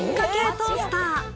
トースター。